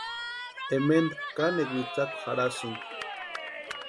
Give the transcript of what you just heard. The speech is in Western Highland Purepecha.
Ementa kanekwa witsakwa jarhasïnti.